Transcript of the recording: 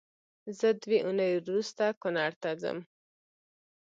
زه دوې اونۍ روسته کونړ ته ځم